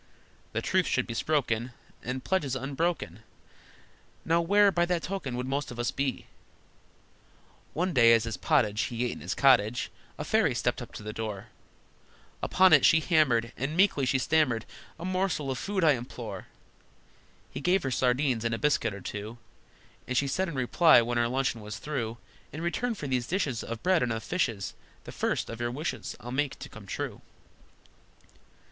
That truth should be spoken, And pledges unbroken: (Now where, by that token, would most of us be?) One day, as his pottage He ate in his cottage, A fairy stepped up to the door; Upon it she hammered, And meekly she stammered: "A morsel of food I implore." He gave her sardines, and a biscuit or two, And she said in reply, when her luncheon was through, "In return for these dishes Of bread and of fishes The first of your wishes I'll make to come true!"